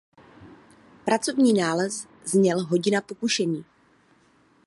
Pracovní název zněl "Hodina pokušení".